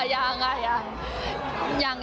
ยังอะยัง